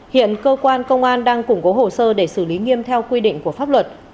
hiện cơ quan công an đang củng cố hồ sơ để xử lý nghiêm theo quy định của pháp luật